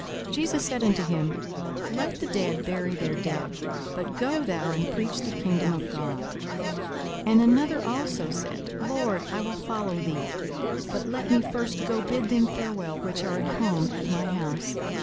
42:009:060 Jesus said unto him, Let the dead bury their dead: but go thou and preach the kingdom of God. 42:009:061 And another also said, Lord, I will follow thee; but let me first go bid them farewell, which are at home at my house.